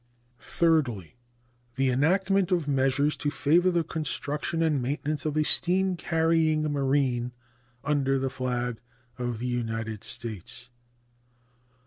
Thirdly. The enactment of measures to favor the construction and maintenance of a steam carrying marine under the flag of the United States.